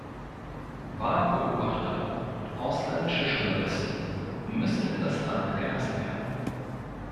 Wahlbeobachter und ausländische Journalisten müssen in das Land gelassen werden.